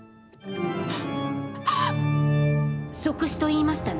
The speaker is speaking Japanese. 即死と言いましたね？